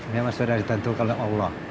memang sudah ditentukan oleh allah